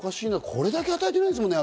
これだけ与えてないですもんね、